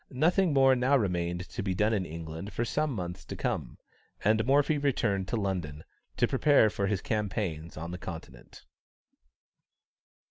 Nothing more now remained to be done in England for some months to come; and Morphy returned to London, to prepare for his campaigns on the Continent.